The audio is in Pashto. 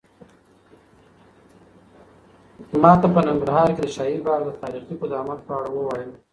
ماته په ننګرهار کې د شاهي باغ د تاریخي قدامت په اړه ووایه.